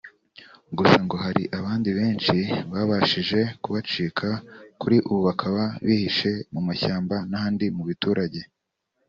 Gusa ngo hari abandi benshi babashije kubacika kuri ubu bakaba bihishe mu mashyamba n’ahandi mu biturage